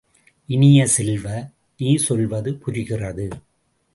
இனிய செல்வ, நீ சொல்வது புரிகிறது!